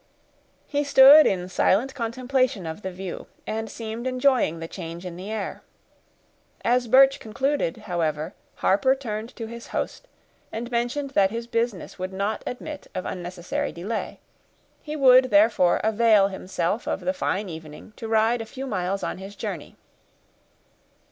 He stood in silent contemplation of the view, and seemed enjoying the change in the air. As Birch concluded, however, Harper turned to his host, and mentioned that his business would not admit of unnecessary delay; he would, therefore, avail himself of the fine evening to ride a few miles on his journey.